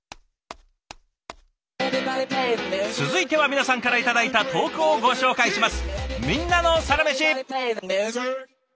続いては皆さんから頂いた投稿をご紹介します。